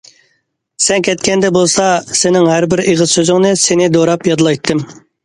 سەن كەتكەندە بولسا سېنىڭ ھەربىر ئېغىز سۆزۈڭنى سېنى دوراپ يادلايتتىم.